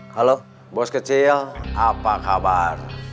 halo bos kecil apa kabar